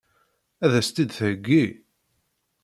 Ad as-tt-id-theggi?